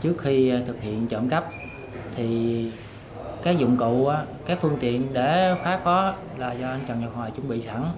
trước khi thực hiện trộm cắp các dụng cụ các phương tiện để khóa khóa là do anh trần nhật hoài chuẩn bị sẵn